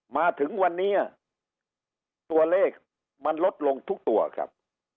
มาถึงวันนี้ตัวเลขมันลดลงทุกตัวครับ